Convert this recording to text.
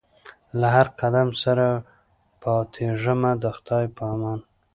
له هر قدم سره پاتېږمه د خدای په امان